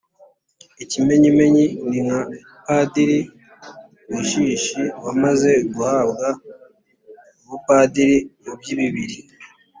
Ikimenyimenyi ni nka Padiri Bushishi wamaze guhabwa ubupadiri mu by'i bibiri,